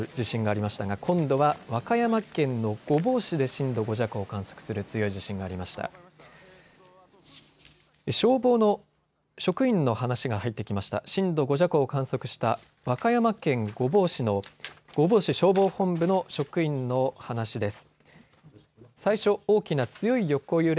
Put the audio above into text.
震度５弱を観測した和歌山県御坊市の御坊市消防本部の職員の話です。